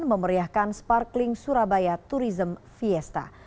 memeriahkan sparkling surabaya tourism fiesta